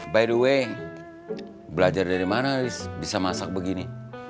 by the way belajar dari mana bisa masak begini